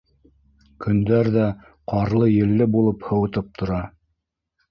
Көндәр ҙә ҡарлы-елле булып һыуытып тора.